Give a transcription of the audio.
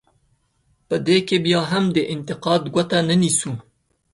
په دې کې بیا هم د انتقاد ګوته نه نیسو.